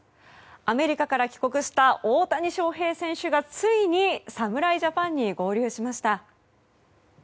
アメリカから帰国した大谷翔平選手がついに侍ジャパンに合流しました。